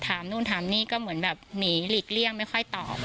ถามนู่นถามนี่ก็เหมือนแบบหนีหลีกเลี่ยงไม่ค่อยตอบ